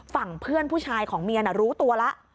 ฝั่งเพื่อนผู้ชายของเมียน่ะรู้ตัวแล้ว